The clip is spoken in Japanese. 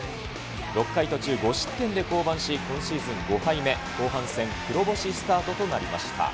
６回途中５失点で降板し、今シーズン５回目、後半戦、黒星スタートとなりました。